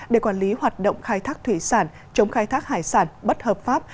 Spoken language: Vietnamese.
để quản lý hoạt động khai thác thủy sản chống khai thác hải sản bất hợp pháp